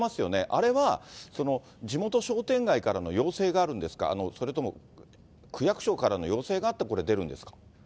あれは、地元商店街からの要請があるんですか、それとも区役所からの要請があって、これ出るんですか。